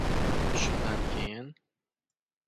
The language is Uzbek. Shundan keyin…